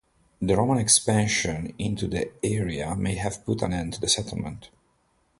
The Roman expansion into the area may have put an end to the settlement.